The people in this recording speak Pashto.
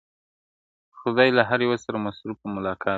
خو خدای له هر یوه سره مصروف په ملاقات دی~